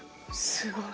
すごい。